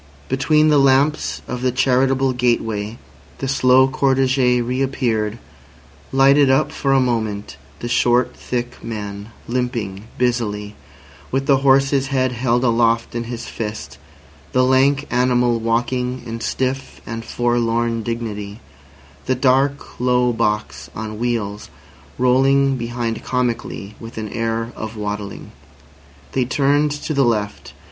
Between the lamps of the charitable gateway the slow cortege reappeared, lighted up for a moment, the short, thick man limping busily, with the horse's head held aloft in his fist, the lank animal walking in stiff and forlorn dignity, the dark, low box on wheels rolling behind comically with an air of waddling. They turned to the left.